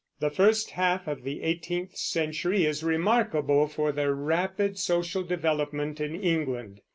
The first half of the eighteenth century is remarkable for the rapid social development in England.